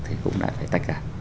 thì cũng đã phải tách ra